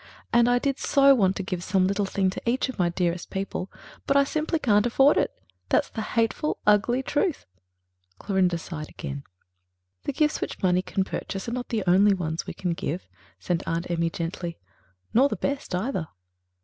And I did so want to give some little thing to each of my dearest people. But I simply can't afford it ... that's the hateful, ugly truth." Clorinda sighed again. "The gifts which money can purchase are not the only ones we can give," said Aunt Emmy gently, "nor the best, either."